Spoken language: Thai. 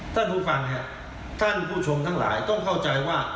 ท่านผู้ฟังครับท่านผู้ชมทั้งหลายต้องเข้าใจว่า